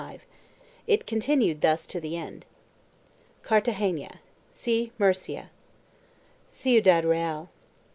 It continued thus to the end.3 CARTAGENA. See MURCIA. CIUDAD REAL.